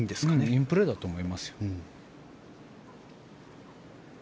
インプレーだと思いますよ。